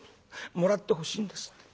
もらってほしいんですって。